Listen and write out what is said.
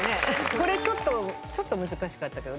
これちょっとちょっと難しかったけど。